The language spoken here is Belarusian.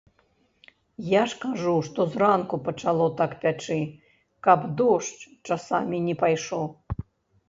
Я ж кажу, што зранку пачало так пячы, каб дождж, часамі, не пайшоў.